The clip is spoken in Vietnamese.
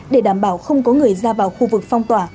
để đảm bảo không có người ra vào khu vực phong tỏa